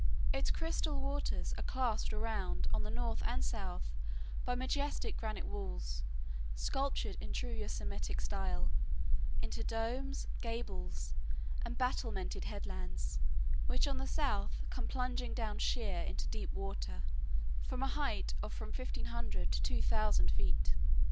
Its crystal waters are clasped around on the north and south by majestic granite walls sculptured in true Yosemitic style into domes, gables, and battlemented headlands, which on the south come plunging down sheer into deep water, from a height of from 1500 to 2000 feet.